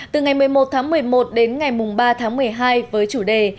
từ ngày một mươi một tháng một mươi một đến ngày ba tháng một mươi hai với chủ đề